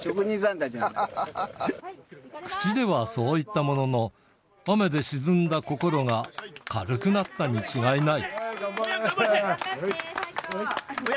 口ではそう言ったものの、雨で沈んだ心が軽くなったに違いない。